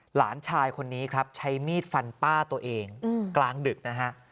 หลานชายคนนี้ครับใช้มีดฟันป้าตัวเองกลางดึกนะฮะ